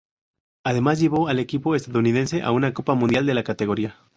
Además, llevó al equipo estadounidense a una Copa Mundial de la categoría.